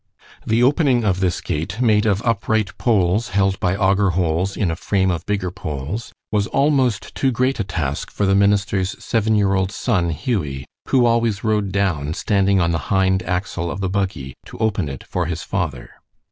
The opening of this gate, made of upright poles held by auger holes in a frame of bigger poles, was almost too great a task for the minister's seven year old son Hughie, who always rode down, standing on the hind axle of the buggy, to open it for his father.